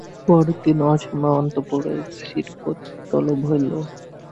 পরদিন অসময়ে অন্তঃপুরে শ্রীপতির তলব হইল।